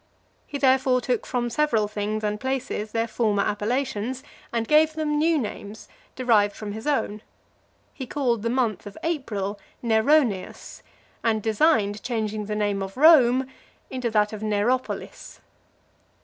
He therefore (381) took from several things and places their former appellations, and gave them new names derived from his own. He called the month of April, Neroneus, and designed changing the name of Rome into that of Neropolis.